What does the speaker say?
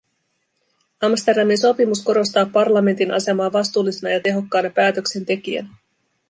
Amsterdamin sopimus korostaa parlamentin asemaa vastuullisena ja tehokkaana päätöksentekijänä.